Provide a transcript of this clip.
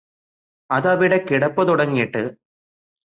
അതവിടെ കിടപ്പു തുടങ്ങിയിട്ട്